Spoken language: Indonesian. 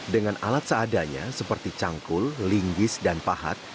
dengan alat seadanya seperti cangkul linggis dan pahat